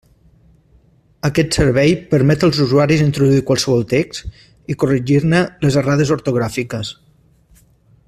Aquest servei permet als usuaris introduir qualsevol text i corregir-ne les errades ortogràfiques.